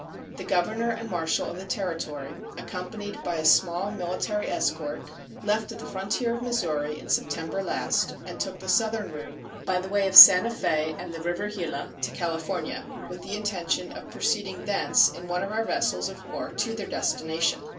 The governor and marshal of the Territory, accompanied by a small military escort, left the frontier of Missouri in September last, and took the southern route, by the way of Santa Fe and the river Gila, to California, with the intention of proceeding thence in one of our vessels of war to their destination.